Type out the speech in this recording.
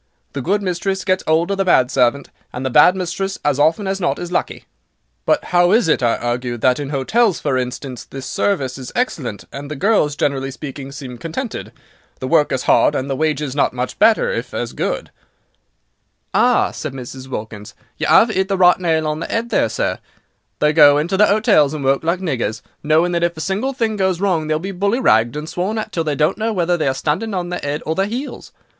The good mistress gets 'old of the bad servant, and the bad mistress, as often as not is lucky." "But how is it," I argued, "that in hotels, for instance, the service is excellent, and the girls, generally speaking, seem contented? The work is hard, and the wages not much better, if as good." "Ah," said Mrs. Wilkins, "you 'ave 'it the right nail on the 'ead, there, sir. They go into the 'otels and work like niggers, knowing that if a single thing goes wrong they will be bully ragged and sworn at till they don't know whether they are standing on their 'ead or their 'eels.